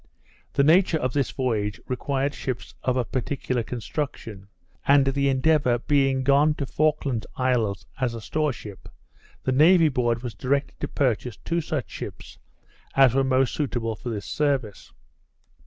The nature of this voyage required ships of a particular construction, and the Endeavour being gone to Falkland's Isles as a store ship, the Navy board was directed to purchase two such ships as were most suitable for this service.